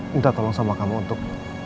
enggak tolong sama kamu untuk